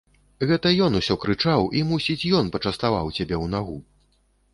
Гэта ён усё крычаў і, мусіць, ён пачаставаў цябе ў нагу.